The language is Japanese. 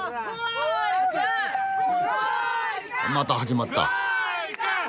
また始まった。